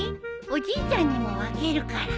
おじいちゃんにも分けるから。